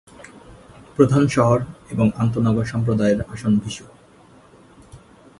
প্রধান শহর এবং আন্তঃনগর সম্প্রদায়ের আসন ভিসু।